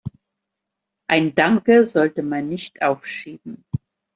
Ein Danke sollte man nicht aufschieben.